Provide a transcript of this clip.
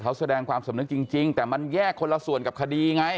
เขาแสดงความสำนึกจริงแต่มันแยกคนละส่วนกับคดีไง